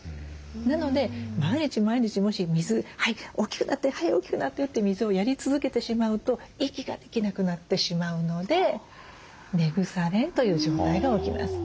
なので毎日毎日もし水「はい大きくなってはい大きくなって」って水をやり続けてしまうと息ができなくなってしまうので根腐れという状態が起きます。